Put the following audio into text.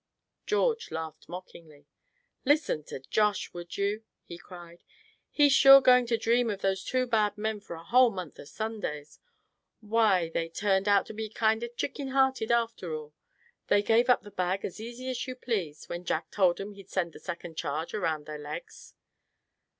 George laughed mockingly. "Listen to Josh, would you?" he cried. "He's sure going to dream of those two bad men for a whole month of Sundays. Why, they turned out to be kind of chicken hearted after all. They gave up the bag as easy as you please, when Jack told 'em he'd send the second charge around their legs."